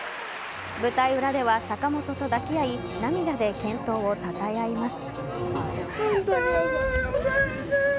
舞台裏では坂本と抱き合い涙で健闘をたたえ合います。